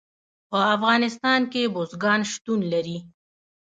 په افغانستان کې بزګان شتون لري.